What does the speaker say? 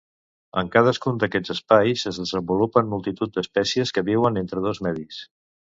En cadascun d'aquests espais es desenvolupen multitud d'espècies que viuen entre dos medis.